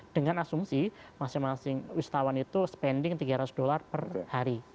dengan asumsi masing masing wisatawan itu spending tiga ratus dolar per hari